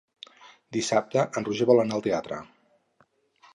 Dissabte en Roger vol anar al teatre.